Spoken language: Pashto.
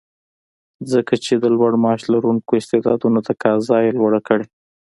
ځکه چې د لوړ معاش لرونکو استعدادونو تقاضا یې لوړه کړې